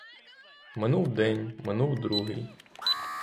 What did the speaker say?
Минув день, минув другий.